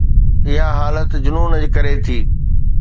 اها حالت جنون جي ڪري ٿي.